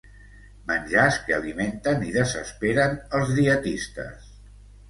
Menjars que alimenten i desesperen els dietistes.